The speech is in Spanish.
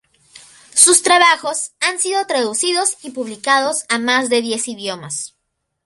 Sus trabajos han sido traducidos y publicados a más de diez idiomas.